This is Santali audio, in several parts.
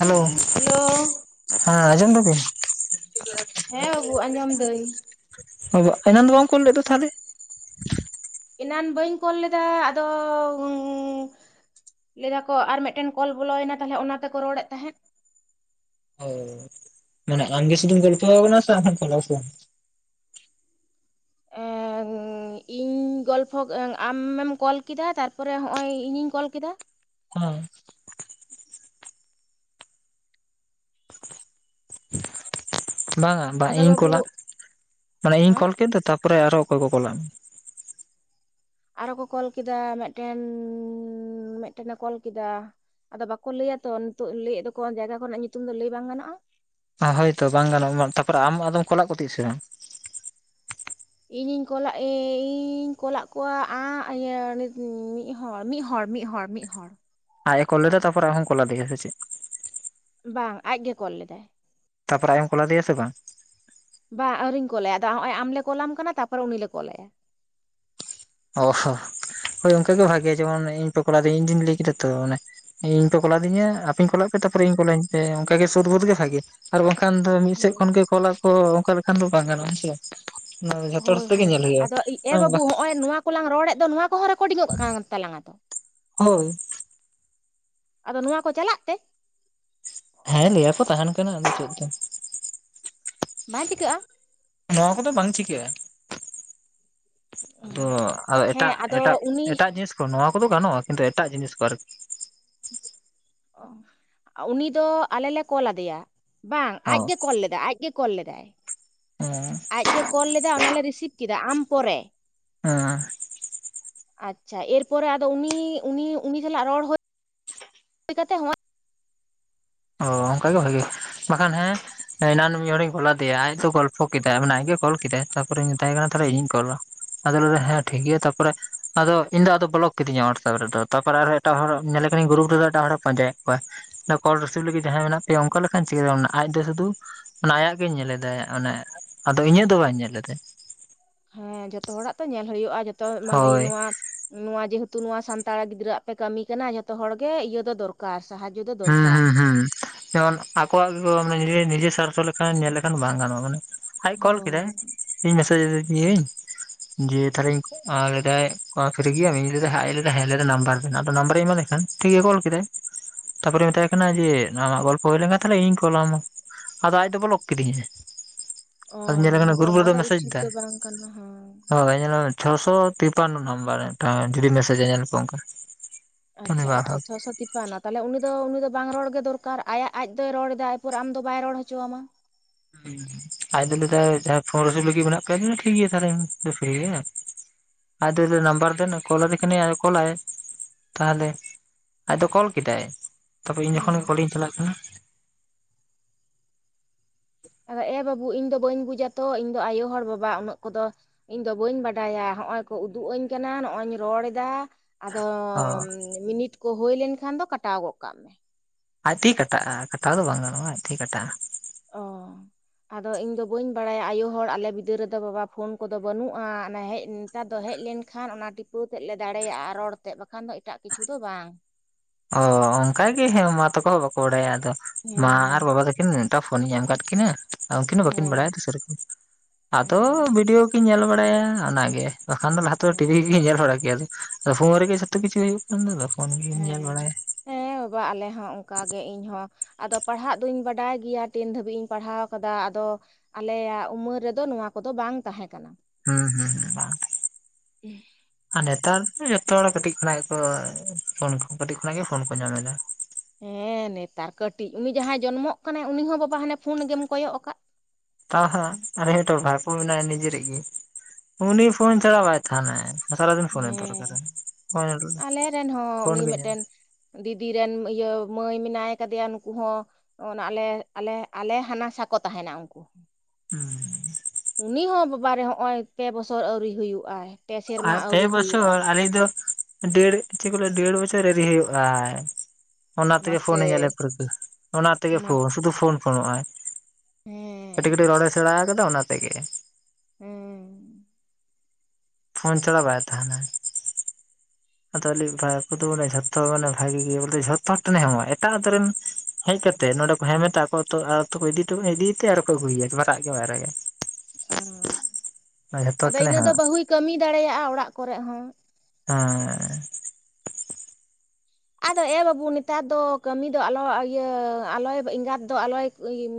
ᱦᱮᱞᱳ᱾ ᱦᱮᱞᱳ ᱦᱮᱸ ᱟᱡᱚᱢ ᱫᱟᱵᱤᱱ? ᱦᱮᱸ ᱵᱟᱹᱵᱩ ᱟᱸᱡᱚᱢ ᱫᱟᱹᱧ᱾ ᱟᱵᱚᱣᱟ ᱮᱱᱟᱱ ᱫᱚ ᱵᱟᱝ ᱠᱳᱞ ᱞᱮᱫ ᱫᱚ ᱛᱟᱦᱚᱞᱮ? ᱮᱱᱟᱱ ᱵᱟᱹᱧ ᱠᱳᱞ ᱞᱮᱫᱟ ᱟᱫᱚᱻ ᱞᱟᱹᱭᱫᱟᱠᱚ ᱟᱨ ᱢᱤᱫᱴᱮᱱ ᱠᱚᱞ ᱵᱚᱞᱚᱭᱮᱱᱟ ᱛᱟᱦᱟᱞᱮ ᱚᱱᱟ ᱛᱮᱠᱚ ᱨᱚᱲᱮᱫ ᱛᱟᱦᱮᱸᱫ᱾ ᱦᱳᱭ, ᱢᱟᱱᱮ ᱟᱢᱜᱮ ᱥᱩᱫᱷᱩᱢ ᱜᱚᱞᱯᱚ ᱠᱟᱱᱟ ᱥᱮ [unintelligible] ᱼᱼ ᱤᱧ ᱜᱚᱞᱯᱷᱚ, ᱟᱢᱮᱢ ᱠᱚᱞ ᱠᱮᱫᱟ᱾ ᱛᱟᱨᱯᱚᱨᱮ ᱦᱚᱸᱜᱼᱚᱭ ᱤᱧᱤᱧ ᱠᱚᱞ ᱠᱮᱫᱟ᱾ [unintelligible] ᱵᱟᱝᱟ ᱵᱟᱝ ᱟᱫᱚ ᱤᱧ ᱵᱟᱹᱵᱩ ᱠᱚᱞᱟ᱾ ᱢᱟᱱᱮ ᱤᱧᱤᱧ ᱦᱮᱸ ᱠᱚᱞ ᱠᱮᱫ ᱫᱚ, ᱛᱟᱯᱚᱨᱮ ᱟᱨᱚ ᱚᱠᱚᱭ ᱠᱚ ᱠᱚᱞᱟ ᱢᱮ? ᱟᱨᱦᱚᱸ ᱠᱚ ᱠᱚᱞ ᱠᱮᱫᱟ, ᱢᱤᱫᱴᱮᱱ ᱢᱤᱫᱴᱮᱱᱮ ᱫᱚ ᱠᱚᱞ ᱠᱮᱫᱟ। ᱟᱫᱚ ᱵᱟᱠᱚ ᱞᱟᱹᱭᱟ ᱛᱚ, ᱱᱤᱛᱚᱜ ᱞᱟᱹᱭ ᱫᱚᱠᱚ ᱡᱟᱭᱜᱟ ᱠᱚᱨᱮᱱᱟᱜ ᱧᱩᱛᱩᱢ ᱫᱚ ᱞᱟᱹᱭ ᱵᱟᱝ ᱜᱟᱱᱚᱜᱼᱟ᱾ ᱚ ᱦᱳᱭᱛᱚ ᱵᱟᱝ ᱜᱟᱱᱚᱜᱼᱟ, ᱛᱟᱯᱚᱨᱮ ᱟᱢ ᱟᱫᱚᱢ ᱠᱚᱞᱟᱜ ᱠᱚᱛᱮᱡ ᱥᱮ ᱵᱟᱝ? ᱤᱧᱤᱧ ᱠᱚᱞᱟᱜ ᱤᱧ ᱠᱚᱞᱟᱜ ᱠᱚᱣᱟ ᱟᱸᱜ। ᱤᱭᱟᱹ ᱢᱤᱫ ᱦᱚᱲ ᱢᱤᱫ ᱦᱚᱲ ᱢᱤᱫ ᱦᱚᱲ᱾ ᱢᱤᱫ ᱦᱚᱲ᱾ ᱟᱡ ᱮ ᱠᱚᱞ ᱞᱮᱫᱟ, ᱛᱟᱯᱚᱨᱮ ᱟᱢ ᱦᱚᱸᱢ ᱠᱚᱞᱟᱫᱮᱭᱟ ᱥᱮ ᱪᱮᱫ? ᱵᱟᱝ, ᱟᱡᱜᱮ ᱠᱚᱞ ᱞᱮᱫᱟᱭ᱾ ᱛᱟᱯᱚᱨᱮ ᱟᱭ ᱮᱢ ᱠᱚᱞᱟᱫᱮᱭᱟ ᱥᱮ ᱵᱟᱝ? ᱵᱟᱝ ᱟᱹᱣᱨᱤᱧ ᱠᱚᱞᱟᱭᱟ, ᱟᱫᱚ ᱱᱚᱜᱼᱚᱭ ᱟᱢ ᱞᱮ ᱠᱚᱞᱟᱢ ᱠᱟᱱᱟ ᱛᱟᱨᱯᱚᱨᱮ ᱩᱱᱤ ᱞᱮ ᱠᱚᱞᱟᱭᱟ᱾ ᱚ ᱦᱚ, ᱦᱳᱭ ᱚᱱᱠᱟ ᱜᱮ ᱵᱷᱟᱜᱮᱭᱟ, ᱡᱮᱢᱚᱱ ᱤᱧ ᱯᱮ ᱠᱚᱞᱟ ᱫᱤᱧ। ᱤᱧ ᱫᱩᱧ ᱞᱟᱹᱭ ᱠᱮᱫᱟ ᱛᱚ, ᱢᱟᱱᱮ ᱤᱧ ᱯᱮ ᱠᱚᱞᱟᱫᱤᱧᱟ ᱟᱯᱮᱧ ᱠᱚᱞᱟᱜ ᱯᱮ ᱛᱟᱯᱚᱨᱮ ᱤᱧ ᱠᱚᱞᱟᱹᱧ ᱯᱮ᱾ ᱚᱝᱠᱟ ᱜᱮ ᱥᱩᱫᱽ ᱵᱩᱫᱽ ᱜᱮ ᱵᱷᱟᱜᱮᱭᱟ᱾ ᱟᱨ ᱵᱟᱝᱠᱷᱟᱱ ᱫᱚ ᱢᱤᱫ ᱥᱮᱫ ᱦᱳᱭ ᱠᱷᱚᱱ ᱜᱮ ᱠᱚᱞᱟ ᱟᱠᱚ, ᱚᱱᱠᱟ ᱞᱮᱠᱷᱟᱱ ᱫᱚ ᱵᱟᱝ ᱜᱟᱱᱚᱜᱼᱟ, ᱦᱮᱸ ᱥᱮ᱾ ᱚᱱᱟ ᱫᱚ ᱡᱷᱚᱛᱚ ᱦᱚᱲ ᱦᱳᱭ ᱥᱟᱛᱮᱜ ᱜᱮ ᱦᱳᱭ᱾ ᱧᱮᱞ ᱟᱫᱚ ᱮ ᱦᱩᱭᱩᱜᱼᱟ ᱵᱟᱹᱵᱩ ᱦᱚᱸᱜᱼᱚᱭ ᱱᱚᱣᱟ ᱠᱚᱞᱟᱝ ᱨᱚᱲᱮᱫ ᱫᱚ, ᱱᱚᱣᱟ ᱠᱚᱦᱚᱸ ᱨᱮᱠᱳᱰᱤᱝᱚᱜ ᱠᱟᱱ ᱛᱟᱞᱟᱝᱟ ᱛᱚ? ᱦᱳᱭ ᱟᱫᱚ ᱱᱚᱣᱟ ᱠᱚ ᱪᱟᱞᱟᱜ ᱛᱮ? ᱦᱮᱸ, ᱞᱟᱹᱭᱟᱠᱚ ᱛᱟᱦᱮᱸᱱ ᱠᱟᱱᱟ᱾ ᱟᱫᱚ ᱪᱮᱫ ᱫᱚ? ᱵᱟᱝ ᱪᱤᱠᱟᱹᱜᱼᱟ? ᱱᱚᱣᱟ ᱠᱚᱫᱚ ᱵᱟᱝ ᱪᱤᱠᱟᱹᱜᱼᱟ, ᱟᱫᱚ ᱦᱮᱸ ᱮᱴᱟᱜ ᱟᱫᱚ ᱮᱴᱟᱜ ᱩᱱᱤ ᱮᱴᱟᱜ ᱡᱤᱱᱤᱥ ᱠᱚ, ᱱᱚᱣᱟ ᱠᱚᱫᱚ ᱜᱟᱱᱚᱜᱼᱟ ᱠᱤᱱᱛᱩ ᱮᱴᱟᱜ ᱡᱤᱱᱤᱥ ᱠᱚ ᱟᱨᱠᱤ᱾ ᱚ, ᱩᱱᱤ ᱫᱚ ᱟᱞᱮ ᱞᱮ ᱠᱚᱞ ᱟᱫᱮᱭᱟ, ᱵᱟᱝ ᱚ ᱟᱡᱜᱮ ᱠᱚᱞ ᱞᱮᱫᱟᱭ ᱟᱡ ᱜᱮ ᱠᱚᱞ ᱞᱮᱫᱟᱭ᱾ ᱦᱮᱸ᱾ ᱟᱡᱜᱮ ᱠᱚᱞ ᱞᱮᱫᱟᱭ ᱚᱱᱟᱞᱮ ᱨᱤᱥᱤᱵᱷ ᱠᱮᱫᱟ ᱟᱢ ᱯᱚᱨᱮ᱾ ᱦᱮᱸ᱾ ᱟᱪᱪᱷᱟ, ᱮᱨᱯᱚᱨᱮ ᱟᱫᱚ ᱩᱱᱤ ᱩᱱᱤ ᱩᱱᱤ ᱥᱟᱞᱟᱜ ᱨᱚᱲ [inaudible] ᱠᱟᱛᱮ ᱦᱚᱸ ᱚᱻ ᱚᱱᱠᱟ ᱜᱮ ᱵᱷᱟᱜᱮᱭᱟ ᱵᱟᱠᱷᱟᱱ ᱦᱮᱸ ᱮᱱᱟᱱ ᱢᱤᱫ ᱦᱚᱲᱤᱧ ᱠᱚᱞ ᱟᱫᱮᱭᱟ ᱟᱡ ᱫᱚ ᱜᱚᱞ ᱯᱷᱚ ᱠᱮᱫᱟᱭ ᱢᱟᱱᱮ ᱟᱡᱜᱮ ᱠᱚᱞ ᱠᱮᱫᱟᱭ ᱛᱟᱨᱯᱚᱨᱮᱧ ᱢᱮᱛᱟᱭ ᱠᱟᱱᱟ ᱛᱟᱦᱞᱮ ᱤᱧᱤᱧ ᱠᱚᱞᱟ᱾ ᱟᱫᱚᱞᱮ ᱦᱮᱸ ᱴᱷᱤᱠᱜᱮᱭᱟ ᱛᱟᱯᱚᱨᱮ ᱟᱫᱚ ᱤᱧᱫᱚ ᱟᱫᱚ ᱵᱚᱞᱚᱠ ᱠᱤᱫᱤᱧᱟ ᱦᱚᱣᱟᱴᱥᱮᱯ ᱨᱮᱫᱚ ᱛᱟᱯᱚᱨᱮ ᱟᱨᱦᱚᱸ ᱮᱴᱟᱜ ᱦᱚᱲ ᱧᱮᱞᱮ ᱠᱟᱱᱤ ᱜᱩᱨᱩᱯ ᱨᱮᱫᱚ ᱮᱴᱟᱜ ᱦᱚᱲᱮ ᱯᱟᱸᱡᱟᱭᱮᱫ ᱠᱚᱣᱟ ᱢᱟᱱᱮ ᱠᱚᱞ ᱨᱤᱥᱤᱵᱷ ᱞᱟᱹᱜᱤᱫ ᱡᱟᱦᱟᱸᱭ ᱢᱮᱱᱟᱜ ᱯᱮᱭᱟ ᱚᱝᱠᱟ ᱞᱮᱠᱟᱡ ᱪᱤᱠᱟᱹ ᱜᱟᱱᱚ, ᱟᱡ ᱫᱚ ᱥᱩᱫᱩ ᱟᱭᱟᱜ ᱜᱮ ᱧᱮᱞᱮᱫᱟᱭ ᱚᱱᱮ ᱟᱫᱚ ᱤᱧᱟᱹᱜ ᱫᱚ ᱵᱟᱭ ᱧᱮᱞᱮᱫᱟᱭ᱾ ᱦᱮᱸ ᱡᱚᱛᱚ ᱦᱚᱲᱟᱜ ᱛᱚ ᱧᱮᱞ ᱦᱩᱭᱩᱜᱼᱟ ᱡᱚᱛᱚ ᱢᱟᱱᱮ ᱦᱳᱭ ᱱᱚᱣᱟ ᱱᱚᱣᱟ ᱡᱮᱦᱮᱛᱩ ᱱᱚᱣᱟ ᱥᱟᱱᱛᱟᱲ ᱜᱤᱫᱽᱨᱟᱹᱣᱟᱜ ᱯᱮ ᱠᱟᱹᱢᱤ ᱠᱟᱱᱟ ᱡᱚᱛᱚ ᱦᱚᱲ ᱜᱮ ᱤᱭᱟᱹ ᱫᱚ ᱫᱚᱨ ᱠᱟᱨ ᱥᱟᱦᱟᱡᱚ ᱫᱚ ᱦᱩᱸ ᱫᱚᱨᱠᱟᱨ ᱦᱩᱸ ᱦᱩᱸ᱾ ᱡᱮᱢᱚᱱ ᱟᱠᱚᱣᱟᱜ ᱜᱮᱠᱚ ᱱᱤᱡᱮ ᱱᱤᱡᱮ ᱥᱟᱨᱛᱷᱚ ᱞᱮᱠᱷᱟᱱ ᱧᱮᱞ ᱞᱮᱠᱷᱟᱱ ᱵᱟᱝ ᱜᱟᱱᱚᱜᱼᱟ ᱢᱟᱱᱮ ᱟᱡ ᱠᱚᱞ ᱠᱮᱫᱟᱭ ᱦᱳᱭ ᱤᱧ ᱢᱮᱥᱮᱡᱽᱡᱟᱫᱤᱭᱟᱹᱧ᱾ [inaudible] ᱡᱮ ᱛᱟᱦᱚᱞᱮᱧ ᱞᱮᱫᱟ ᱯᱷᱤᱨᱤ ᱜᱮᱭᱟᱢ ᱤᱧ ᱞᱟᱹᱭᱟ ᱮᱫᱟ ᱦᱮᱸ ᱱᱟᱢᱵᱟᱨ ᱵᱮ ᱟᱫᱚ ᱱᱟᱢᱵᱟᱨᱮᱧ ᱮᱢᱟᱞᱮ ᱠᱷᱟᱱ ᱴᱷᱤᱠ ᱜᱮ ᱠᱚᱞ ᱠᱮᱫᱟ᱾ ᱛᱟᱯᱚᱨ ᱢᱮᱛᱟᱭ ᱠᱟᱱᱟ ᱡᱮ ᱱᱚᱣᱟ ᱜᱚᱞᱯᱚ ᱦᱳᱭ ᱞᱮᱠᱷᱟᱱ ᱛᱟᱦᱮ ᱤᱧ ᱠᱚᱞᱟᱢᱟ᱾ ᱟᱫᱚ ᱟᱡ ᱫᱚ ᱵᱚᱞᱚᱜ ᱠᱤᱫᱤᱧᱟᱭ᱾ ᱚ ᱟᱫᱚ ᱦᱮᱸᱛᱚ ᱜᱩᱨᱵᱩᱨ ᱚᱱᱟ ᱫᱚ ᱢᱮᱥᱮᱡᱽ ᱩᱪᱤᱛ ᱫᱚ ᱫᱟᱭ᱾ ᱵᱟᱝ ᱠᱟᱱᱟ ᱦᱮᱸ ᱪᱷᱚᱥᱚ ᱛᱤᱯᱟᱱᱱᱚ ᱱᱟᱢᱵᱟᱨ ᱢᱤᱫᱴᱟᱝ ᱡᱩᱫᱤ ᱢᱮᱥᱮᱡᱟᱭ ᱧᱮᱞ ᱯᱮ ᱚᱝᱠᱟ ᱟᱪᱪᱷᱟ ᱟᱪᱪᱷᱟ ᱪᱷᱚᱥᱚ ᱛᱤᱯ ᱵᱟᱝ ᱛᱟᱦᱚᱞᱮ ᱩᱱᱤ ᱫᱚ ᱩᱱᱤ ᱫᱚ ᱵᱟᱝ ᱫᱚᱨᱠᱟᱨ ᱟᱭᱟᱜ ᱟᱡ ᱫᱚᱭ ᱨᱚᱲ ᱮᱫᱟ ᱟᱢ ᱫᱚ ᱵᱟᱭ ᱨᱚᱲ ᱦᱚᱪᱚ ᱟᱢᱟ᱾ ᱦᱩᱸ ᱟᱡ ᱫᱚᱞᱮ ᱡᱟᱦᱟᱭ ᱯᱷᱳᱱᱨᱤᱥᱤᱵ ᱞᱟᱜᱤᱫ ᱢᱮᱱᱟᱜ ᱯᱮ ᱴᱷᱤᱠ ᱜᱮᱭᱟ ᱛᱟᱦᱟᱞᱮ ᱯᱷᱤᱨᱤ ᱜᱮᱭᱟ ᱟᱡ ᱫᱚ ᱱᱟᱢᱵᱟᱨ ᱫᱮᱱ ᱠᱚᱞᱟᱫᱤᱱ ᱠᱷᱟᱱᱤ ᱠᱚᱞᱟᱭ ᱛᱟᱦᱚᱞᱮ ᱟᱡ ᱫᱚ ᱠᱚᱞ ᱠᱮᱫᱟᱭ ᱛᱟᱵᱮ ᱤᱧ ᱦᱮᱸ ᱡᱚᱠᱷᱚᱱ ᱠᱚᱞᱤᱧ ᱪᱟᱞᱟᱜ ᱠᱟᱱᱟ ᱟᱫᱚ ᱮ ᱵᱟᱹᱵᱩ ᱤᱧ ᱫᱚ ᱵᱟᱹᱧ ᱵᱩᱡᱟ ᱛᱚ ᱤᱧ ᱫᱚ ᱟᱭᱳ ᱦᱚᱲ ᱵᱟᱵᱟ ᱩᱱᱟᱹᱜ ᱠᱚᱫᱚ ᱤᱧ ᱫᱚ ᱵᱟᱹᱧ ᱵᱟᱰᱟᱭᱟ ᱦᱚᱜ ᱚᱭ ᱠᱚ ᱩᱫᱩᱜ ᱟᱹᱧ ᱠᱟᱱᱟ ᱱᱚᱜᱼᱚᱭ ᱤᱧ ᱨᱚᱲ ᱫᱟ᱾ ᱟᱫᱚ ᱚ ᱢᱤᱱᱤᱴ ᱠᱚ ᱦᱳᱭ ᱞᱮᱱᱠᱷᱟᱱ ᱫᱚ ᱠᱟᱴᱟᱣ ᱜᱚᱫ ᱠᱟᱜ ᱢᱮ᱾ ᱟᱡ ᱛᱮᱜᱮ ᱠᱟᱴᱟᱜᱼᱟ ᱠᱟᱴᱟᱣ ᱫᱚ ᱵᱟᱝ ᱜᱟᱱᱚᱜᱼᱟ ᱟᱡ ᱛᱮᱜᱮ ᱠᱟᱴᱟᱜᱼᱟ᱾ ᱚ᱾ ᱟᱫᱚ ᱤᱧ ᱫᱚ ᱵᱟᱹᱧ ᱵᱟᱲᱟᱭᱟ ᱟᱭᱳ ᱟᱞᱮ ᱵᱤᱫᱟᱹᱞ ᱨᱮᱫᱚ ᱵᱟᱵᱟ ᱠᱚᱫᱚ ᱵᱟᱹᱱᱩᱜᱼᱟ ᱦᱮᱡ ᱛᱟ ᱫᱚ ᱦᱮᱡ ᱞᱮᱱᱠᱷᱟᱱ ᱚᱱᱟ ᱴᱤᱯᱟᱹᱣ ᱛᱮᱫ ᱞᱮ ᱫᱟᱲᱮᱭᱟᱜᱼᱟ ᱨᱚᱲ ᱵᱟᱠᱷᱟᱱ ᱫᱚ ᱮᱴᱟᱜ ᱠᱤᱪᱷᱩ ᱫᱚ ᱵᱟᱝ᱾ ᱚ ᱚᱝᱠᱟᱜ ᱜᱮ ᱦᱮᱸ ᱢᱟ ᱛᱟᱠᱚ ᱦᱚᱸ ᱵᱟᱠᱚ ᱵᱟᱲᱟᱭᱟ ᱟᱫᱚ ᱢᱟ ᱟᱨ ᱦᱮᱸ ᱵᱟᱵᱟ ᱠᱤᱱ ᱴᱟᱜ ᱯᱷᱳᱱᱤᱧ ᱮᱢ ᱠᱟᱫ ᱠᱤᱱᱟ ᱦᱚᱸ ᱟ ᱩᱝᱠᱤᱱ ᱦᱚᱸ ᱵᱟᱲᱟᱭᱟ ᱦᱮᱸ ᱥᱮᱨᱚᱠᱚᱢ ᱟᱫᱚ ᱦᱮᱸ ᱵᱷᱤᱰᱤᱭᱳ ᱠᱤᱧ ᱧᱮᱞ ᱵᱟᱲᱟᱭᱟ ᱚᱱᱟᱜᱮ, ᱵᱟᱠᱷᱟᱱ ᱫᱚ ᱞᱟᱦᱟᱛᱮ ᱴᱤᱵᱷᱤᱜᱤᱧ ᱧᱮᱞ ᱵᱟᱲᱟ ᱠᱮᱭᱟ ᱯᱷᱳᱱ ᱨᱮᱜᱮ ᱡᱷᱚᱛᱚ ᱠᱤᱪᱷᱩ ᱦᱳᱭᱳᱜ [unintelligible] ᱦᱮᱸ ᱦᱮᱸ ᱵᱟᱵᱟ ᱟᱞᱮ ᱦᱚᱸ ᱚᱝᱠᱟᱜ ᱜᱮ ᱤᱧ ᱦᱚᱸ ᱯᱟᱲᱦᱟᱜ ᱫᱩᱧ ᱵᱟᱰᱟᱭ ᱜᱮᱭᱟ ᱴᱮᱱ ᱫᱷᱟᱹᱵᱤᱡ ᱤᱧ ᱯᱟᱲᱦᱟᱣ ᱠᱟᱫᱟ ᱟᱫᱚ ᱟᱞᱮᱭᱟᱜ ᱩᱢᱟᱹᱨ ᱨᱮᱫᱚ ᱱᱚᱣᱟ ᱠᱚᱫᱚ ᱵᱟᱝ ᱛᱟᱦᱮᱸ ᱠᱟᱱᱟ᱾ ᱦᱩᱸ ᱦᱩᱸ ᱾ ᱟᱨ ᱱᱮᱛᱟᱨ ᱡᱚᱛᱚᱦᱚᱲ ᱠᱟᱹᱴᱤᱡ ᱠᱷᱚᱱᱟᱜ ᱯᱷᱳᱱ ᱠᱟᱹᱴᱤᱡ ᱠᱷᱚᱱᱟᱜ ᱜᱮ ᱯᱷᱳᱱ ᱠᱚ ᱧᱟᱢᱮᱫᱟ᱾ ᱦᱮᱸ ᱱᱮᱛᱟᱨ ᱠᱟᱹᱴᱤᱡ ᱩᱱᱤ ᱡᱟᱦᱟᱸᱭ ᱡᱚᱱᱢᱚᱜ ᱠᱟᱱᱟᱭ ᱩᱱᱤ ᱦᱚᱸ ᱵᱟᱵᱟ ᱦᱟᱱᱮ ᱯᱷᱳᱱ ᱜᱮᱢ ᱠᱚᱭᱚᱜ ᱠᱟᱫ᱾ ᱛᱟᱣ ᱦᱟᱸᱜ [unintelligible] ᱵᱷᱟᱭ ᱠᱚ ᱢᱮᱱᱟᱭᱭᱟ ᱱᱤᱡᱮᱨᱮᱜ ᱜᱮ ᱩᱱᱤ ᱯᱷᱳᱱ ᱪᱷᱟᱲᱟ ᱵᱟᱭ ᱛᱟᱦᱮᱱᱟᱭ᱾ ᱥᱟᱨᱟᱫᱤᱱ ᱯᱷᱳᱱ ᱦᱮᱸ ᱫᱚᱨᱠᱟᱨᱟᱭ ᱯᱷᱳᱱ ᱜᱮ ᱧᱮᱞᱟ᱾ ᱫᱤᱫᱤᱨᱮᱱ ᱤᱭᱟᱹ ᱢᱟᱹᱭ ᱢᱮᱱᱟᱭ ᱠᱟᱫᱮᱭᱟ ᱱᱩᱠᱩ ᱦᱚᱸ ᱚᱱ ᱟᱞᱮ ᱟᱞᱮ ᱟᱞᱮ ᱦᱟᱱᱟ ᱥᱟ ᱠᱚ ᱛᱟᱦᱮᱱᱟ ᱩᱝᱠᱩ᱾ ᱦᱩᱸ᱾ ᱩᱱᱤ ᱦᱚᱸ ᱵᱟᱵᱟᱨᱮ ᱦᱚᱜᱼᱚᱭ ᱯᱮ ᱵᱚᱥᱚᱨ ᱟᱹᱣᱨᱤ ᱦᱩᱭᱩᱜᱼᱟ ᱯᱮ ᱥᱮᱨᱢᱟ ᱟᱨ ᱟᱹᱣᱨᱤ ᱯᱮ ᱵᱚᱪᱷᱚᱨ ᱦᱩᱭᱩᱜᱼᱟ ᱟᱞᱮ ᱫᱚ ᱰᱮᱲ ᱪᱮᱫ ᱠᱚ ᱰᱮᱲ ᱵᱚᱪᱷᱚᱨ ᱮᱨᱤ ᱦᱳᱭᱳᱜ ᱟᱭ᱾ ᱚᱱᱟ ᱛᱮᱜᱮ ᱢᱟᱥᱮ ᱯᱷᱳᱱ ᱧᱮᱞ ᱯᱟᱹᱨᱠᱟᱹ ᱚᱱᱟ ᱛᱮᱜᱮ ᱢᱟ ᱯᱷᱳᱱ ᱥᱩᱫᱷᱩ ᱯᱷᱳᱱ ᱯᱷᱳᱱᱚᱜ ᱟᱭ᱾ ᱠᱟᱹᱴᱤᱡ ᱦᱮᱸ ᱨᱚᱲᱮ ᱥᱮᱬᱟ ᱠᱟᱫᱟ ᱚᱱᱟ ᱛᱮᱜ ᱜᱮ᱾ ᱦᱩᱸ᱾ ᱯᱷᱳᱱ ᱪᱷᱟᱲᱟ ᱵᱟᱭ ᱛᱟᱦᱮᱱᱟᱭ ᱾ [unintelligible] ᱟᱫᱚ ᱟᱹᱞᱤᱡ ᱵᱷᱟᱭᱯᱳ ᱫᱚ ᱡᱚᱛᱚ ᱦᱚᱲ ᱢᱟᱱᱮ ᱵᱷᱟᱜᱮ ᱜᱮ ᱵᱚᱞ ᱡᱷᱚᱛᱚ ᱦᱚᱲ ᱴᱷᱮᱱᱮᱚᱜᱼᱟ ᱮᱴᱟᱜ ᱟᱛᱳ ᱨᱮᱱ ᱦᱮᱡ ᱠᱟᱛᱮᱜ ᱱᱚᱸᱰᱮ ᱠᱚ ᱦᱮᱢᱮᱫᱟ ᱟᱠᱚ ᱟᱛᱳ ᱟᱛᱳ ᱠᱚ ᱤᱫᱤ ᱤᱫᱤᱛᱮ ᱟᱨ ᱠᱚ ᱟᱹᱜᱩᱭᱟ ᱢᱟᱨᱟᱜ ᱜᱮ ᱵᱟᱭ ᱨᱟᱜᱟ᱾ ᱚ ᱡᱷᱚᱛᱚ ᱦᱚᱲ ᱟᱫᱚ ᱴᱷᱮᱱᱮ ᱤᱱᱟᱹ ᱫᱚ ᱦᱮᱢᱟᱜ ᱵᱟᱹᱦᱩᱭ ᱠᱟᱹᱢᱤ ᱫᱟᱲᱮᱭᱟᱜᱼᱟ ᱚᱲᱟᱜ ᱠᱚᱨᱮᱜ ᱦᱚᱸ᱾ ᱦᱮᱸ᱾ ᱟᱫᱚ ᱮ ᱵᱟᱹᱵᱩ ᱱᱮᱛᱟᱨ ᱫᱚ ᱠᱟᱹᱢᱤ ᱫᱚ ᱟᱞᱚ ᱤᱭᱟᱹ ᱟᱞᱚᱭ ᱮᱸᱜᱟᱛ ᱫᱚ ᱟᱞᱚᱭ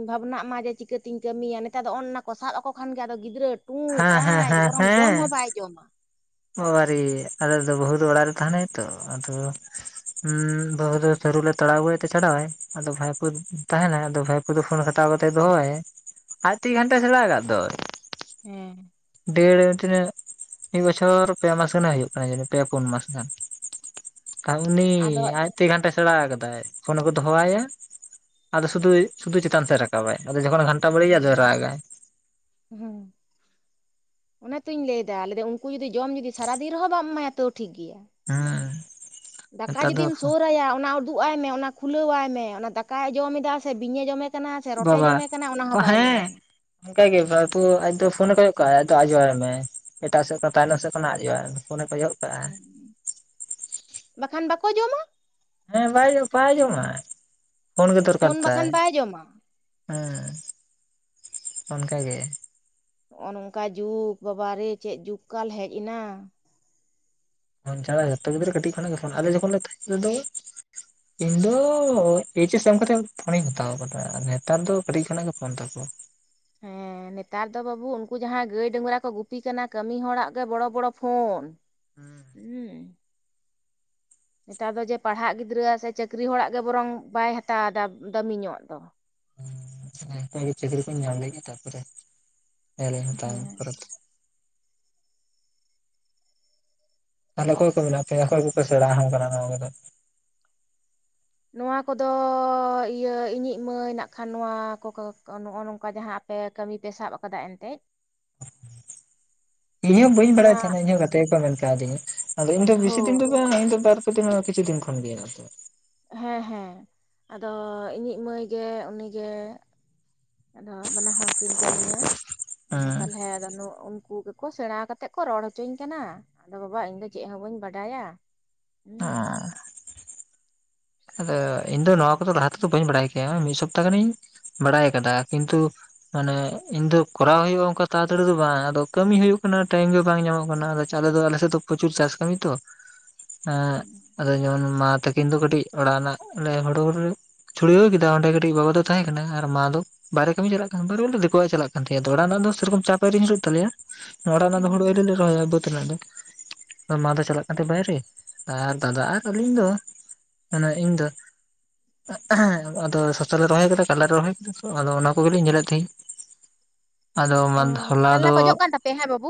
ᱵᱷᱟᱵᱽᱱᱟᱜ ᱢᱟ ᱡᱮ ᱪᱤᱠᱟᱹᱛᱮᱧ ᱠᱟᱹᱢᱤᱭᱟ ᱱᱮᱛᱟᱨ ᱫᱚ ᱚᱱ-ᱱᱟ ᱠᱚ ᱥᱟᱵᱽ ᱟᱠᱚ ᱠᱷᱟᱱ ᱜᱮ ᱟᱫᱚ ᱜᱤᱫᱽᱨᱟᱹ ᱛᱩᱭ ᱦᱮᱸ ᱦᱮᱸ ᱴᱟᱡ ᱵᱚᱨᱚᱝ ᱡᱚᱢ ᱦᱚᱸ ᱵᱟᱭ ᱡᱚᱢᱟ᱾ ᱵᱟᱵᱟ ᱨᱮ ᱟᱞᱮ ᱫᱚ ᱵᱟᱦᱩ ᱫᱚ ᱚᱲᱟᱜ ᱨᱮ ᱛᱟᱦᱮᱸᱱᱟᱭ ᱛᱚ, ᱟᱫᱚ᱾ ᱦᱩᱸ ᱵᱟᱹᱦᱩ ᱫᱚ ᱥᱟᱹᱨᱩ ᱞᱮ ᱛᱟᱲᱟᱣ ᱟᱹᱜᱩᱭ ᱛᱮ ᱪᱷᱟᱰᱟᱣᱟᱭ ᱟᱫᱚ ᱵᱷᱟᱭ ᱯᱳ ᱛᱟᱦᱮᱸᱱᱟᱭ ᱟᱫᱚ ᱵᱷᱟᱭ ᱟᱫᱚ ᱯᱷᱳᱱ ᱠᱷᱴᱟᱣ ᱠᱟᱛᱮᱫ ᱫᱚᱦᱚᱸᱣᱟᱭᱟᱭ ᱟᱡ ᱛᱮᱜᱮ ᱜᱷᱟᱱᱴᱟ ᱥᱮᱲᱟᱣ ᱟᱠᱟᱫ ᱫᱚ᱾ ᱦᱮᱸ᱾ ᱰᱮᱲ ᱛᱤᱱᱟᱹᱜ᱾ ᱢᱤᱫ ᱵᱚᱪᱷᱚᱨ ᱯᱮ ᱢᱟᱥ ᱜᱟᱱᱮ ᱦᱩᱭᱩᱜ ᱠᱟᱱᱟ ᱡᱟᱹᱱᱤᱡ ᱯᱮ ᱯᱩᱱ ᱢᱟᱥ ᱜᱟᱱ᱾ ᱟᱨ ᱩᱱᱤ ᱟᱫᱚ ᱟᱡᱛᱤ ᱜᱟᱱᱴᱟ ᱥᱮᱬᱟ ᱟᱠᱟᱫᱟᱭ ᱯᱷᱳᱱ ᱠᱚ ᱫᱚ ᱦᱚᱸ ᱟᱭᱟ ᱟᱫᱚ ᱥᱩᱫᱩ ᱥᱩᱫᱩ ᱪᱮᱛᱟᱱ ᱥᱮ ᱨᱟᱠᱟᱵᱟᱭ ᱟᱫᱚ ᱡᱚᱠᱷᱚᱱ ᱜᱷᱟᱱᱟ ᱮᱴᱟ ᱵᱟᱹᱲᱤᱭᱟ ᱟᱫᱚ ᱦᱮᱸ ᱨᱟᱜᱟᱭ᱾ ᱦᱩᱸ᱾ ᱚᱱᱟ ᱛᱧ ᱞᱟᱹᱭᱮᱫᱟ, ᱞᱟᱹᱭ ᱫᱟᱹᱧ ᱩᱱᱠᱩ ᱡᱩᱫᱤ ᱡᱚᱢ ᱡᱩᱫᱤ ᱥᱟᱨᱟᱫᱤᱱ ᱨᱮᱦᱚᱸ ᱵᱟᱢ ᱮᱢᱟᱭᱟ ᱛᱚ ᱴᱷᱤᱠ ᱜᱮᱭᱟ᱾ ᱦᱮᱸ᱾ ᱫᱟᱠᱟ ᱱᱮᱛᱟᱨ ᱫᱚ ᱡᱩᱫᱤᱢ ᱥᱳᱨᱟᱭᱭᱟ ᱚᱱᱟ ᱩᱫᱩᱜ ᱟᱭ ᱢᱮ ᱚᱱᱟ ᱠᱷᱩᱞᱟᱹᱣᱟᱭ ᱢᱮ ᱚᱱᱟ ᱫᱟᱠᱟᱭ ᱡᱚᱢ ᱮᱫᱟ ᱥᱮ ᱵᱤᱧᱮ ᱡᱚᱢᱮ ᱠᱟᱱᱟ ᱥᱮ ᱨᱚᱴᱮ ᱡᱚᱢᱮ ᱠᱟᱱᱟ ᱚᱱᱟ ᱦᱚᱸ ᱵᱟᱭ ᱧᱮᱧᱟᱢᱟ᱾ ᱚᱱᱠᱟᱜ ᱜᱮ ᱵᱷᱟᱭᱯᱳ ᱟᱡ ᱫᱚ ᱯᱷᱳᱱᱮ ᱠᱚᱭᱜ ᱠᱟᱜ-ᱟ ᱟᱫᱚ ᱟᱡᱚᱣᱟᱭ ᱢᱮ᱾ ᱮᱴᱟᱜ ᱥᱮᱫ ᱠᱷᱚᱱ ᱛᱟᱭᱱᱚᱢ ᱥᱮᱫ ᱠᱷᱚᱱᱟᱜ ᱟᱡᱚᱣᱟᱭ ᱢᱮ ᱯᱷᱳᱱᱮ ᱠᱚᱭᱚᱜ ᱠᱟᱜᱼᱟ [inaudible] ᱵᱟᱠᱷᱟᱱ ᱵᱟᱠᱚ ᱡᱚᱢᱟ᱾ ᱦᱮᱸ ᱵᱟᱭ ᱵᱟᱭ ᱡᱚᱢᱟ ᱯᱷᱳᱱ ᱜᱮ ᱫᱚᱨᱠᱟᱨ ᱵᱟᱠᱷᱟᱱ ᱛᱟᱭ᱾ ᱵᱟᱭ ᱡᱚᱢᱟ ᱦᱮᱸ ᱚᱱᱠᱟ ᱜᱮ᱾ ᱱᱚᱜ-ᱚ ᱱᱚᱝᱠᱟ ᱡᱩᱜᱽ ᱵᱟᱵᱟᱨᱮ ᱪᱮᱫ ᱡᱩᱜᱽ ᱠᱟᱞ ᱦᱮᱡ ᱮᱱᱟ᱾ ᱯᱷᱳᱱ ᱪᱷᱟᱲᱟ ᱡᱚᱛᱚ ᱜᱤᱫᱽᱨᱟᱹ ᱠᱟᱹᱴᱤᱡ ᱠᱷᱚᱱᱟᱜ ᱜᱮ ᱯᱷᱳᱱ ᱟᱞᱮ ᱡᱚᱠᱷᱚᱱ ᱞᱮ ᱛᱟᱦᱮᱸ᱾ [unintelligible] ᱤᱧ ᱫᱚ ᱮᱭᱤᱪ ᱮᱥ ᱮᱢ ᱠᱟᱛᱮᱜ ᱯᱷᱳᱱᱤᱧ ᱦᱟᱛᱟᱣ ᱟᱠᱟᱫᱟ ᱱᱮᱛᱟᱨ ᱫᱚ ᱠᱟᱹᱴᱤᱡ ᱠᱷᱚᱱᱟᱜ ᱜᱮ ᱯᱷᱳᱱ ᱛᱟᱠᱚ᱾ ᱦᱮᱸ᱾ ᱱᱮᱛᱟᱨ ᱫᱚ ᱵᱟᱹᱵᱩ ᱩᱱᱠᱩ ᱡᱟᱦᱟᱸᱭ ᱜᱟᱹᱭ ᱰᱟᱝᱨᱟ ᱠᱚ ᱜᱩᱯᱤ ᱠᱟᱱᱟ ᱠᱟᱹᱢᱤ ᱦᱚᱲᱟᱜ ᱜᱮ ᱵᱚᱲᱚ ᱵᱚᱲᱚ ᱯᱷᱳᱱ᱾ ᱦᱮᱸ᱾ ᱦᱩᱸ᱾ ᱱᱮᱛᱟᱨ ᱫᱚ ᱡᱮ ᱯᱟᱲᱦᱟᱜ ᱜᱤᱫᱽᱨᱟᱹ ᱥᱮ ᱪᱟᱹᱠᱨᱤ ᱦᱚᱲᱟᱜ ᱜᱮ ᱵᱚᱨᱚᱝ ᱵᱟᱭ ᱦᱟᱛᱟᱣᱟᱫᱟ ᱫᱟᱹᱢᱤ ᱧᱚᱜ ᱫᱚ᱾ ᱦᱮᱸ ᱚᱱᱠᱟ ᱜᱮ ᱪᱟᱹᱠᱨᱤ ᱠᱚᱧ ᱧᱟᱢ ᱞᱮᱜᱮ ᱛᱟᱯᱚᱨᱮ ᱧᱮᱞᱧ ᱦᱟᱛᱟᱣ ᱦᱮᱸ ᱠᱟᱫᱟ᱾ ᱛᱟᱦᱚᱸᱞᱮ ᱚᱠᱚᱭ ᱠᱚ ᱢᱮᱱᱟᱜ ᱯᱮᱭᱟ ᱚᱠᱚᱭ ᱠᱚᱯᱮ ᱥᱮᱬᱟ ᱠᱟᱫᱟ ᱱᱚᱣᱟ ᱠᱚᱫᱚ᱾ ᱱᱚᱣᱟ ᱠᱚᱫᱚ ᱤᱭᱟᱹ ᱤᱧᱤᱡ ᱢᱟᱹᱭ ᱱᱟᱜ ᱠᱷᱟᱱ ᱱᱚᱣᱟ ᱠᱚ ᱱᱚᱜ-ᱚ ᱱᱚᱝᱠᱟ ᱡᱟᱦᱟᱸ ᱯᱮ ᱠᱟᱹᱢᱤ ᱯᱮ ᱥᱟᱵᱽ ᱟᱠᱟᱫᱟ ᱮᱱᱛᱮ᱾ [inaudible] ᱤᱧᱦᱚᱸ ᱵᱟᱹᱧ ᱚᱱᱟ ᱵᱟᱲᱟᱭ ᱛᱟᱦᱮᱸᱱᱟ ᱤᱧᱚᱸ ᱦᱚ ᱜᱟᱛᱮ ᱜᱮ ᱡᱚ ᱢᱮᱱ ᱠᱟᱣᱫᱤᱧᱟ, ᱟᱫᱚ ᱤᱧ ᱫᱚ ᱦᱳ ᱵᱤᱥᱤ ᱫᱤᱱ ᱫᱚ ᱵᱟᱝ ᱤᱧ ᱫᱚ ᱵᱟᱨ ᱛᱤᱱᱟᱹᱜ ᱠᱤᱪᱷᱩ ᱫᱤᱱ ᱠᱷᱚᱱ ᱜᱮ ᱦᱮᱸᱱᱟᱜ-ᱟ ᱠᱟᱜ-ᱟ᱾ ᱦᱮᱸ ᱦᱮᱸ ᱟᱫᱚ ᱤᱧᱤᱡ ᱢᱟᱹᱭ ᱜᱮ ᱩᱱᱤᱜᱮ᱾ ᱟᱫᱚ ᱵᱟᱱᱟ ᱦᱚᱲ ᱠᱤᱱ ᱠᱟᱹᱢᱤᱭᱟ, ᱟᱫᱚ ᱛᱟᱦᱚᱸᱞᱮ ᱨᱟᱱᱩ ᱩᱱᱠᱩ ᱠᱚ ᱥᱮᱬᱟ ᱠᱟᱛᱮᱫ ᱠᱚ ᱨᱚᱲ ᱦᱚᱪᱚᱧ ᱠᱟᱱᱟ, ᱟᱫᱚ ᱵᱟᱵᱟ ᱤᱧ ᱫᱚ ᱪᱮᱫ ᱦᱚᱸ ᱵᱟᱹᱧ ᱵᱟᱰᱟᱭᱟ᱾ ᱦᱩᱸ [unintelligible] ᱟᱫᱚ ᱤᱧ ᱫᱚ ᱱᱚᱣᱟ ᱠᱚᱫᱚ ᱞᱟᱦᱟ ᱛᱮᱫᱚ ᱵᱟᱹᱧ ᱵᱟᱲᱟᱭ ᱠᱮᱭᱟ, ᱢᱤᱫ ᱥᱚᱯᱛᱟ ᱜᱟᱱᱤᱧ ᱵᱟᱲᱟᱭ ᱟᱠᱟᱫᱟ, ᱠᱤᱱᱛᱩ ᱢᱟᱱᱮ ᱤᱧ ᱫᱚ ᱠᱚᱨᱟᱣ ᱦᱳᱭᱳᱜ-ᱟ, ᱚᱱᱠᱟ ᱛᱟᱲᱟᱛᱟᱲᱤ ᱫᱚ ᱵᱟᱝ ᱟᱫᱚ ᱠᱟᱹᱢᱤ ᱦᱩᱭᱩᱜ ᱠᱟᱱᱟ, ᱴᱟᱭᱤᱢ ᱜᱮ ᱵᱟᱝ ᱧᱟᱢᱚᱜ ᱠᱟᱱᱟ ᱟᱫᱚ ᱪᱟᱞᱮ ᱫᱚ ᱟᱞᱮᱥᱮᱫ ᱫᱚ ᱯᱨᱚᱪᱩᱨ ᱪᱟᱥ ᱠᱟᱹᱢᱤ ᱛᱚ, [inaudible] ᱦᱮᱸ ᱟᱫᱚ ᱡᱮᱢᱚᱱ ᱢᱟ ᱛᱟᱹᱠᱤᱱ ᱫᱚ ᱠᱟᱹᱴᱤᱡ ᱚᱲᱟᱜ ᱨᱮᱱᱟᱜ ᱚᱱᱮ ᱦᱩᱲᱩ ᱦᱮᱲᱦᱮᱸᱫ᱾ ᱪᱷᱩᱲᱤᱭᱟᱹᱣ ᱠᱮᱫᱟ ᱚᱸᱰᱮ ᱠᱟᱴᱤᱡ ᱵᱟᱵᱟ ᱫᱚ ᱛᱟᱦᱮᱸ ᱠᱟᱱᱟ ᱟᱨ ᱢᱟ ᱫᱚ ᱵᱟᱭᱨᱮ ᱠᱟᱹᱢᱤ ᱪᱟᱞᱟᱜ ᱠᱟᱱᱟ, ᱵᱟᱭᱨᱮ ᱵᱚᱞᱛᱮ ᱫᱮᱠᱳᱣᱟᱜ-ᱮ ᱪᱟᱞᱟᱜ ᱠᱟᱱ ᱛᱟᱦᱮᱜ, ᱟᱫᱚ ᱚᱲᱟᱜ ᱨᱮᱱᱟᱜ ᱫᱚ ᱥᱮᱨᱚᱠᱚᱢ ᱪᱟᱯ ᱟᱹᱭᱨᱤ ᱧᱩᱨᱩᱜ ᱛᱟᱞᱮᱭᱟ᱾ ᱱᱚᱲᱟᱜ ᱨᱮᱱᱟᱜ ᱫᱚ ᱦᱩᱲᱩ ᱦᱩᱸ ᱟᱹᱣᱨᱤ ᱞᱮ ᱨᱚᱦᱚᱭᱟ ᱵᱟᱹᱫᱽ ᱛᱮᱱᱟᱜ ᱫᱚ, ᱢᱟ ᱫᱚ ᱪᱟᱞᱟᱜ ᱠᱟᱱ ᱛᱟᱦᱮᱸ ᱵᱟᱭᱨᱮ, ᱟᱨ ᱫᱟᱫᱟ ᱟᱨ ᱟᱹᱞᱤᱧ ᱫᱚ ᱢᱟᱱᱮ ᱤᱧ ᱫᱚ ᱟᱫᱚ ᱥᱚᱥᱟ ᱞᱮ ᱨᱚᱦᱚᱭ ᱟᱠᱟᱫᱟ, ᱠᱟᱞᱞᱟ ᱨᱮ ᱨᱚᱦᱚᱭ ᱟᱠᱟᱫᱟ ᱛᱚ, ᱟᱫᱚ ᱚᱱᱟ ᱠᱚᱜᱮᱞᱤᱧ ᱧᱮᱞᱮᱫ ᱛᱟᱦᱮᱸᱫ᱾ ᱟᱫᱚ ᱚ, ᱠᱟᱞᱞᱟ ᱠᱚ ᱡᱚᱜ ᱠᱟᱱ ᱛᱟᱯᱮᱭᱟ, ᱦᱮᱸ ᱵᱟᱹᱵᱩ?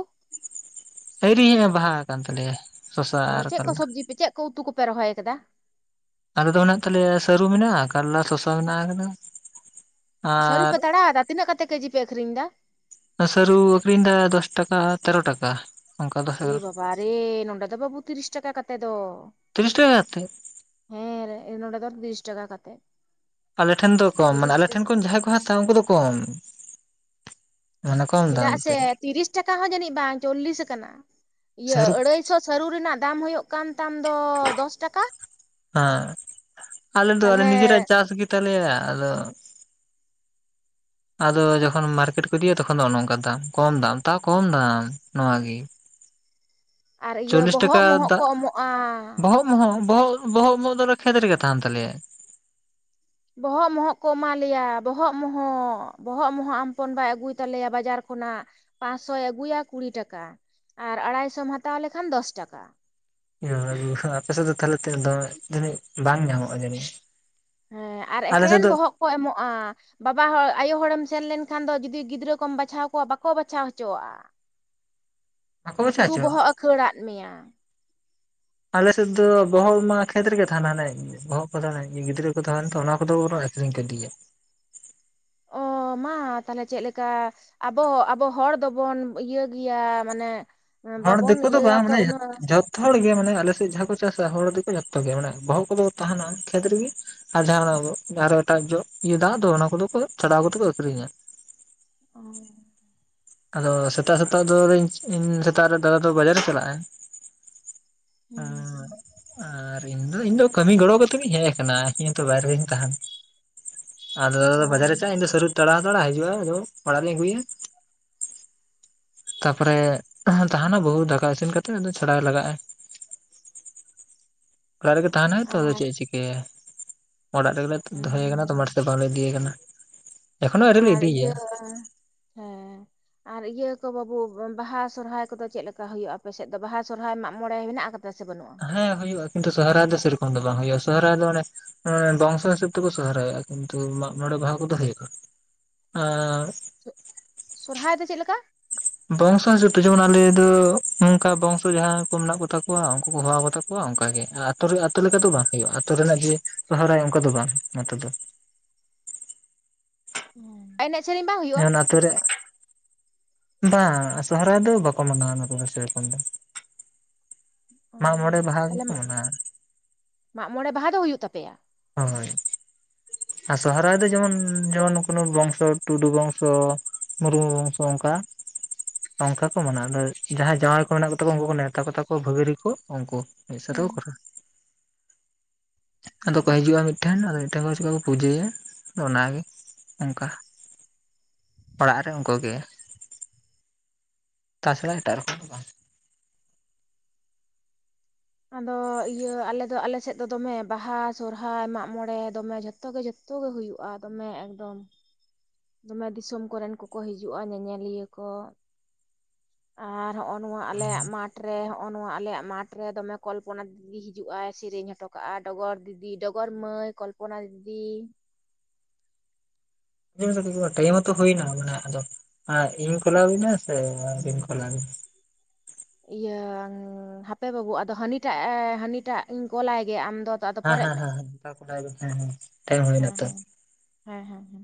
ᱟᱭᱨᱤ ᱦᱮᱜ-ᱮ ᱵᱟᱦᱟ ᱟᱠᱟᱱ ᱛᱟᱞᱮᱭᱟ᱾ ᱥᱚᱥᱟ ᱚ, ᱟᱨ ᱪᱮᱫ ᱠᱚ ᱠᱟᱞᱞᱟ ᱥᱚᱵᱽᱡᱤ ᱯᱮ ᱪᱮᱫ ᱠᱚ ᱩᱛᱩ ᱠᱚᱯᱮ ᱨᱚᱦᱚᱭ ᱟᱠᱟᱫᱟ? ᱟᱞᱮ ᱫᱚ ᱢᱮᱱᱟᱜ ᱛᱟᱞᱮᱭᱟ ᱥᱟᱹᱨᱩ ᱢᱮᱱᱟᱜᱼᱟ, ᱠᱟᱞᱞᱟ ᱥᱚᱥᱟ ᱢᱮᱱᱟᱜ ᱟᱠᱟᱫᱟ᱾ ᱥᱟᱹᱨᱩ ᱟᱨ ᱯᱮ ᱛᱟᱲᱟᱣ ᱮᱫᱟ, ᱛᱤᱱᱟᱹᱜ ᱠᱟᱛᱮ ᱠᱮᱡᱤ ᱯᱮ ᱟᱹᱠᱷᱨᱤᱧ ᱮᱫᱟ? ᱥᱟᱹᱨ ᱟᱹᱠᱷᱤᱧ ᱫᱟ ᱫᱚᱥ ᱴᱟᱠᱟ ᱟᱨ ᱛᱮᱨᱚ ᱴᱟᱠᱟ᱾ ᱚᱱᱠᱟ ᱫᱚᱥ ᱮ ᱮᱜᱟᱨᱚ ᱵᱟᱵᱟᱨᱮ! ᱱᱚᱰᱮ ᱫᱚ ᱵᱟᱹᱵᱩ ᱛᱤᱨᱤᱥ ᱴᱟᱠᱟ ᱠᱟᱛᱮ ᱫᱚ᱾ ᱛᱤᱨᱤᱥ ᱴᱟᱠᱟ ᱠᱟᱛᱮᱫ ᱦᱮᱸ ᱨᱮ ᱱᱚᱰᱮ ᱫᱚ ᱛᱤᱨᱤᱥ ᱴᱟᱠᱟ ᱠᱟᱛᱮᱫ᱾ ᱟᱞᱮ ᱴᱷᱮᱱ ᱫᱚ ᱠᱚᱢ, ᱢᱟᱱᱮ ᱛᱤᱨᱤᱥ ᱟᱞᱮ ᱴᱷᱮᱱ ᱴᱟᱠᱟ ᱠᱷᱚᱱ ᱡᱟᱦᱟᱸᱭ ᱠᱚ ᱦᱟᱛᱟᱣ-ᱟ ᱩᱱᱠᱩ ᱫᱚ ᱠᱚᱢ᱾ ᱢᱟᱱᱮ ᱠᱚᱢ ᱫᱟᱢ ᱪᱮᱫᱟᱜ ᱥᱮ, ᱛᱮ ᱛᱤᱨᱤᱥ ᱴᱟᱠᱟ ᱦᱚᱸ ᱡᱟᱹᱱᱤᱡ ᱵᱟᱝ ᱪᱚᱞᱞᱤᱥ ᱟᱠᱟᱱᱟ, ᱤᱭᱟᱹ ᱥᱟᱹᱨᱩ ᱟᱹᱲᱟᱹᱭ ᱥᱚ ᱥᱟᱹᱨᱩ ᱨᱮᱱᱟᱜ ᱫᱟᱢ ᱦᱳᱭᱳᱜ ᱠᱟᱱ ᱛᱟᱢ ᱫᱚ ᱫᱚᱥ ᱴᱟᱠᱟ, ᱦᱮᱸ ᱛᱟᱞᱦᱮ ᱛᱟᱞᱮᱭᱟ ᱟᱠᱚ ᱟᱫᱚ ᱡᱚᱠᱷᱚᱱ ᱢᱟᱨᱠᱮᱴ ᱠᱚ ᱤᱫᱤᱭᱟ, ᱛᱚᱠᱷᱚᱱ ᱫᱚ ᱚ ᱱᱚᱝᱠᱟ ᱫᱟᱢ, ᱠᱚᱢ ᱫᱟᱢ ᱛᱟᱣ ᱠᱚᱢ ᱫᱟᱢ ᱱᱚᱣᱟ ᱜᱮ᱾ ᱟᱨ ᱤᱭᱟᱹ ᱪᱚᱞᱞᱤᱥ ᱵᱚᱦᱚᱜ ᱴᱟᱠᱟ ᱢᱚᱦᱚᱜ ᱠᱚ ᱫᱟᱜ ᱮᱢᱚᱜᱼᱟ᱾ ᱵᱚᱦᱚᱜ ᱢᱚᱦᱚᱜ ᱵᱚᱦᱚᱜ ᱵᱚᱦᱚᱜ ᱢᱚᱦᱚᱜ ᱫᱚ ᱟᱞᱮ ᱠᱷᱮᱛ ᱨᱮᱜᱮ ᱛᱟᱦᱮᱱ ᱛᱟᱞᱮᱭᱟ᱾ ᱵᱚᱦᱚᱜ ᱢᱚᱦᱚᱜ ᱠᱚ ᱮᱢᱟᱞᱮᱭᱟ, ᱵᱚᱦᱚᱜ ᱢᱚᱦᱚᱜ, ᱵᱚᱦᱚᱜ ᱢᱚᱦᱚᱜ ᱟᱢ ᱯᱚᱱᱚᱱ ᱵᱟᱭ ᱟᱹᱜᱩᱭ ᱛᱟᱞᱮᱭᱟ ᱵᱟᱡᱟᱨ ᱠᱷᱚᱱᱟᱜ᱾ ᱯᱟᱸᱥ ᱥᱚᱭ ᱟᱹᱜᱩᱭᱟ, ᱠᱩᱲᱤ ᱴᱟᱠᱟ, ᱟᱨ ᱟᱲᱟᱭᱥᱚᱢ ᱦᱟᱛᱟᱣ ᱞᱮᱠᱷᱟᱱ ᱫᱚᱥ ᱴᱟᱠᱟ᱾ ᱮ ᱵᱟᱵᱟᱨᱮ! ᱟᱯᱮ ᱥᱮᱫ ᱫᱚ ᱛᱟᱦᱚᱞᱮ ᱛᱤᱱᱟᱹᱜ ᱫᱚᱢᱮ ᱛᱤᱱᱟᱹᱜ ᱵᱟᱝ ᱧᱟᱢᱚᱜᱼᱟ ᱡᱟᱹᱱᱤᱡ᱾ ᱦᱮᱸ, ᱟᱨ ᱟᱞᱮ ᱮᱠᱮᱱ ᱥᱮᱫ ᱫᱚ ᱵᱚᱦᱚᱜ ᱠᱚ ᱮᱢᱚᱜᱼᱟ᱾ ᱵᱟᱵᱟ ᱦᱚᱲ ᱟᱭᱳ ᱦᱚᱲᱮᱢ ᱥᱮᱱ ᱞᱮᱱᱠᱷᱟᱱ ᱫᱚ ᱡᱩᱫᱤ ᱜᱤᱫᱽᱨᱟᱹ ᱠᱚᱢ ᱵᱟᱪᱷᱟᱣ ᱠᱚᱣᱟ, ᱵᱟᱠᱚ ᱵᱟᱪᱷᱟᱣ ᱦᱚᱪᱚᱣᱟᱜᱼᱟ᱾ ᱵᱟᱠᱚ ᱵᱟᱪᱷᱟ ᱥᱩᱫᱩ ᱦᱚᱪᱚᱣᱟᱜᱼᱟ ᱵᱚᱦᱚᱜ-ᱮ ᱠᱷᱟᱹᱲᱟᱜ ᱢᱮᱭᱟ᱾ ᱟᱞᱮ ᱥᱮᱫ ᱫᱚ ᱵᱚᱦᱚᱞ ᱢᱟ ᱠᱷᱮᱛ ᱨᱮᱜᱮ ᱛᱟᱦᱮᱟᱱᱟ, ᱦᱟᱱᱮ ᱵᱚᱦᱚᱜ ᱠᱚ ᱛᱟᱦᱮᱱᱟ, ᱜᱤᱫᱽᱨᱟᱹ ᱠᱚ ᱛᱟᱦᱮᱱᱟ ᱛᱚ ᱚᱱᱟ ᱠᱚᱫᱚ ᱵᱚᱨᱚᱝ ᱟᱹᱠᱷᱨᱤᱧ ᱠᱚ ᱠᱟᱫᱮᱭᱟ᱾ ᱚ, ᱢᱟ ᱛᱟᱦᱚᱞᱮ ᱪᱮᱫ ᱞᱮᱠᱟ ᱟᱵᱚ, ᱟᱵᱚ ᱦᱚᱲ ᱫᱚᱵᱚᱱ ᱤᱭᱟᱹ ᱜᱮᱭᱟ ᱢᱟᱱᱮ ᱦᱚᱲ ᱵᱟᱵᱚᱱ ᱫᱮᱠᱳ ᱫᱚ ᱤᱭᱟᱹᱭᱟ ᱵᱟᱝ ᱛᱚ ᱢᱟᱱᱮ ᱡᱚ ᱩᱱᱟᱹᱜ ᱡᱷᱚᱛ ᱛᱚ ᱦᱚᱲ ᱜᱮ ᱢᱟᱱᱮ ᱟᱞᱮ ᱥᱮᱫ ᱡᱟᱦᱟᱸ ᱠᱚ ᱪᱟᱥᱟ ᱦᱚᱲ ᱫᱮᱠᱚ ᱡᱚᱛᱚ ᱜᱮ ᱢᱟᱱᱮ ᱵᱚᱦᱚᱜ ᱠᱚᱫᱚ ᱛᱟᱦᱮᱱᱟ ᱠᱷᱮᱛ ᱨᱮᱜᱮ ᱟᱨ ᱡᱟᱦᱟᱸ ᱚᱱᱟ ᱟᱨᱦᱚᱸ ᱮᱴᱟᱜ ᱡᱚᱜ ᱤᱭᱟᱹ ᱫᱟᱜ ᱫᱚ ᱚᱱᱟ ᱠᱚᱫᱚ ᱠᱚ ᱪᱷᱟᱰᱟᱣ ᱠᱟᱛᱮ ᱠᱚ ᱟᱠᱷᱨᱤᱧᱟ᱾ ᱚ᱾ ᱟᱫᱚ ᱥᱮᱛᱟᱜ ᱥᱮᱛᱟᱜ ᱟᱫᱚ ᱤᱧ ᱤᱧ ᱥᱮᱛᱟᱜ ᱨᱮ ᱫᱟᱫᱟ ᱫᱚ ᱵᱟᱡᱟᱨᱮ ᱪᱟᱞᱟᱜᱼᱟ᱾ ᱦᱩᱸ ᱩᱸ ᱟᱨ ᱤᱧ ᱫᱚ ᱤᱧ ᱫᱚ ᱠᱟᱹᱢᱤ ᱜᱚᱲᱚ ᱠᱟᱛᱮᱜᱤᱧ ᱦᱮᱡ ᱟᱠᱟᱱᱟ, ᱤᱧ ᱦᱚᱸ ᱛᱚ ᱵᱟᱭᱨᱮ ᱨᱤᱧ ᱛᱟᱦᱮᱱᱟ᱾ ᱟᱨ ᱫᱟᱫᱟ ᱫᱚ ᱚ ᱵᱟᱡᱟᱨᱮ ᱪᱟᱜ-ᱟ, ᱤᱧ ᱫᱚ ᱥᱟᱹᱨᱩ ᱛᱟᱲᱟᱣ ᱦᱟᱛᱟᱲᱟ, ᱦᱤᱡᱩᱜᱼᱟᱭ, ᱟᱫᱚ ᱚᱲᱟᱜᱞᱤᱧ ᱟᱹᱜᱩᱭᱟ᱾ ᱛᱟᱯᱚᱨᱮ, ᱛᱟᱦᱮᱱᱟ ᱵᱟᱹᱦᱩ ᱫᱟᱠᱟ ᱤᱥᱤᱱ ᱠᱟᱛᱮᱫ ᱟᱫᱚ ᱪᱷᱟᱲᱟᱣᱮ ᱞᱟᱜᱟᱜᱼᱟ᱾ ᱚᱲᱟᱜ ᱨᱮᱜᱮ ᱛᱟᱦᱮᱱᱟᱭ ᱛᱚ ᱟᱫᱚ ᱟᱨ ᱪᱮᱫ ᱮ ᱪᱤᱠᱟᱹᱭᱟᱭ, ᱚᱲᱟᱜ ᱨᱮᱜᱮ ᱞᱮ ᱫᱚᱦᱚᱭᱮ ᱟᱠᱟᱱᱟ ᱛᱚ [unintelligible] ᱵᱟᱝᱞᱮ ᱤᱫᱤᱭᱮ ᱠᱟᱱᱟ᱾ ᱮᱠᱷᱚᱱᱳ ᱟᱹᱣᱨᱤ ᱞᱮ ᱟᱨ ᱤᱭᱟᱹ ᱤᱫᱤᱭᱮᱭᱟ ᱦᱮᱸ᱾ ᱟᱨ ᱤᱭᱟᱹ ᱠᱚ ᱵᱟᱹᱵᱩ ᱵᱟᱦᱟ ᱥᱚᱨᱦᱟᱭ ᱠᱚᱫᱚ ᱪᱮᱫ ᱞᱮᱠᱟ ᱦᱩᱭᱩᱜᱼᱟ ᱟᱯᱮᱥᱮᱫ ᱫᱚ ᱵᱟᱦᱟ ᱥᱚᱨᱦᱟᱭ ᱢᱟᱜ ᱢᱚᱬᱮ ᱢᱮᱱᱟᱜ ᱠᱟᱫᱟ ᱥᱮ ᱵᱟᱹᱱᱩᱜᱼᱟ? ᱦᱮᱸ ᱦᱩᱭᱩᱜᱼᱟ ᱠᱤᱱᱛᱩ ᱥᱚᱦᱚᱨᱟᱭ ᱫᱚ ᱥᱮᱨᱚᱠᱚᱢ ᱫᱚ ᱵᱟᱝ ᱦᱩᱭᱩᱜᱼᱟ ᱥᱚᱨᱚᱨᱟᱭ ᱫᱚ ᱢᱟᱱᱮ ᱢᱟᱱᱮ ᱵᱚᱝᱥᱚ ᱦᱤᱥᱟᱹᱵ ᱛᱮᱠᱚ ᱥᱚᱦᱚᱨᱟᱭᱚᱜ-ᱟ ᱠᱤᱱᱛᱩ ᱢᱟᱜ ᱢᱚᱸᱲᱮ ᱵᱟᱦᱟ ᱠᱚᱫᱚ ᱦᱩᱭᱩᱜᱼᱟ᱾ ᱟᱨ ᱥᱚᱨᱦᱟᱭ ᱫᱚ ᱪᱮᱫ ᱞᱮᱠᱟ? ᱵᱚᱝᱥᱚ ᱦᱤᱥᱟᱵᱽ ᱛᱮ ᱡᱮᱢᱚᱱ ᱟᱞᱮ ᱫᱚ ᱱᱚᱝᱱᱠᱟ ᱵᱚᱝᱥᱚ ᱡᱟᱦᱟᱸᱭ ᱠᱚ ᱢᱮᱱᱟᱜ ᱠᱚᱛᱟ ᱠᱚᱣᱟ ᱩᱱᱠᱩ ᱠᱚ ᱦᱚᱦᱚᱣᱟᱠᱚᱛᱮ ᱠᱭᱣᱟ ᱚᱱᱠᱟᱟᱜ ᱜᱮ ᱟ ᱟᱹᱛᱩ ᱨᱮ ᱟᱛᱩ ᱞᱮᱠᱟ ᱫᱚ ᱵᱟᱝ ᱦᱳᱭᱩᱜ-ᱟ, ᱟᱹᱛᱩᱳ ᱨᱮᱱᱟᱜ ᱡᱮ ᱥᱚᱦᱨᱟᱭ ᱚᱱᱠᱟ ᱫᱚ ᱵᱟᱝ ᱱᱚᱛᱮ ᱫᱚ᱾ ᱟ ᱮᱱᱮᱡ ᱥᱮᱨᱮᱧ ᱵᱟᱝ ᱦᱩᱭᱩᱜᱼᱟ? ᱥᱮᱨᱮᱜ ᱵᱟᱝ ᱟ ᱥᱚᱦᱚᱨᱟᱭ ᱫᱚ ᱵᱟᱠᱚ ᱢᱟᱱᱟᱣᱟ ᱱᱚᱛᱮ ᱫᱚ ᱥᱮᱤ ᱨᱚᱠᱚᱢ ᱫᱚ᱾ ᱢᱟᱜᱽ ᱢᱚᱸᱬᱮ ᱵᱟᱦᱟ ᱛᱟᱦᱞᱮ ᱜᱮᱠᱚ ᱢᱟᱱᱟᱣᱟ᱾ ᱢᱟᱜ ᱢᱚᱸᱲᱮ ᱵᱟᱦᱟ ᱫᱚ ᱦᱩᱭᱩᱜ ᱛᱟᱯᱮᱭᱟ? ᱦᱳᱭ᱾ ᱟᱨ ᱥᱚᱦᱨᱟᱭ ᱫᱚ ᱡᱮᱢᱚᱱ ᱡᱮᱢᱚᱱ ᱱᱩ ᱠᱳᱱᱳ ᱵᱚᱝᱥᱚ ᱴᱩᱰᱩ ᱵᱚᱝᱥᱚ, ᱢᱩᱨᱢᱩ ᱵᱚᱝᱥᱚ ᱚᱱᱠᱟ [inaudible] ᱚᱝᱠᱷᱟ ᱠᱚ ᱢᱟᱱᱟᱣᱟ᱾ ᱟᱫᱚ ᱡᱟᱦᱟᱸᱭ ᱡᱟᱶᱟᱭ ᱠᱚ ᱢᱮᱱᱟᱜ ᱠᱚᱛᱟ ᱠᱚᱣᱟ ᱩᱱᱠᱩ ᱠᱚ ᱱᱮᱣᱛᱟ ᱠᱚᱛᱟ ᱠᱚᱣᱟ ᱵᱷᱟᱹᱜᱤᱨᱤ ᱠᱚ ᱩᱱᱠᱩ᱾ ᱢᱤᱫ ᱥᱟᱛᱮ ᱦᱮᱸ ᱠᱚ ᱠᱚᱨᱟᱣᱟ᱾ ᱟᱫᱚ ᱠᱚ ᱦᱮᱸ ᱦᱤᱡᱩᱜ-ᱟ ᱢᱤᱫᱴᱷᱮᱱ ᱟᱫᱚ ᱢᱤᱫᱴᱷᱮᱱ ᱟᱫᱚ ᱢᱤᱫᱴᱷᱮᱱ ᱠᱚ ᱪᱮᱠᱟ ᱠᱚ ᱯᱩᱡᱟᱹᱭᱟ ᱟᱫᱚ ᱚᱱᱟᱜᱮ ᱚᱝᱠᱟ᱾ ᱚᱲᱟᱜ ᱨᱮ ᱩᱱᱠᱩ ᱜᱮ ᱛᱟᱪᱷᱟᱲᱟ ᱮᱴᱟᱜ ᱨᱚᱠᱚᱢ ᱫᱚ ᱵᱟᱝ᱾ ᱟᱫᱚ ᱤᱭᱟᱹ ᱟᱞᱮ ᱫᱚ ᱟᱞᱮ ᱥᱮᱫ ᱫᱚ ᱫᱚᱢᱮ ᱵᱟᱦᱟ, ᱥᱚᱨᱦᱟᱭ, ᱢᱟᱜ ᱢᱚᱸᱬᱮ ᱫᱚᱢᱮ ᱡᱷᱚᱛᱚ ᱜᱮ ᱡᱷᱚᱛᱚ ᱜᱮ ᱦᱩᱭᱩᱜᱼᱟ ᱫᱚᱢᱮ ᱮᱠᱫᱚᱢ᱾ ᱫᱚᱢᱮ ᱫᱤᱥᱚᱢ ᱠᱚᱨᱮᱱ ᱠᱚᱠᱚ ᱦᱤᱡᱩᱜ-ᱟ ᱧᱮᱧᱮᱞᱤᱭᱟᱹ ᱠᱚ᱾ ᱟᱨ ᱦᱚᱸᱜ-ᱚ ᱱᱚᱣᱟ ᱟᱞᱮᱭᱟᱜ ᱢᱟᱴᱷ ᱨᱮ ᱦᱚᱸᱜ-ᱚ ᱱᱚᱣᱟ ᱟᱞᱮᱭᱟᱜ ᱢᱟᱴᱷ ᱠᱚᱨᱮ ᱫᱚᱢᱮ ᱠᱚᱞᱯᱚᱱᱟ ᱫᱤᱫᱤ ᱦᱤᱡᱩᱜ-ᱟᱭ, ᱥᱮᱨᱮᱧ ᱦᱚᱴᱚ ᱠᱟᱜ-ᱟ ᱰᱚᱜᱚᱨ ᱫᱤᱫᱤ, ᱰᱚᱜᱚᱨ ᱢᱟᱹᱭ, ᱠᱚᱞᱯᱚᱱᱟ ᱫᱤᱫᱤ᱾ [unintelligible] ᱴᱟᱭᱤᱢ ᱦᱚᱛᱚ ᱦᱩᱭᱱᱟ ᱢᱟᱱᱮ ᱟᱫᱚ ᱟ ᱤᱧ ᱠᱚᱞ ᱟᱵᱤᱱᱟ ᱥᱮ ᱟᱵᱤᱱ ᱠᱚᱞ ᱟᱵᱤᱱ? ᱤᱭᱟᱹ ᱦᱟᱯᱮ ᱵᱟᱹᱵᱩ ᱟᱫᱚ ᱦᱟᱹᱱᱤᱴᱟᱜ-ᱮ ᱦᱟᱹᱱᱤᱴᱟᱜᱤᱧ ᱠᱚᱞᱟᱭ ᱜᱮ ᱟᱢ ᱫᱚ ᱟᱫᱚ ᱦᱮᱸ ᱯᱚᱨᱮᱜ ᱦᱮᱸ ᱦᱮᱸ [unintelligible] ᱠᱚᱞ ᱟᱟᱭ ᱱᱤᱱ ᱦᱮᱸ ᱦᱮᱸ᱾ ᱦᱚᱸ ᱦᱚᱸ ᱦᱮᱸ ᱦᱮᱸ ᱦᱮᱸ᱾